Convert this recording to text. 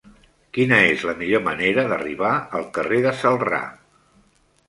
Quina és la millor manera d'arribar al carrer de Celrà?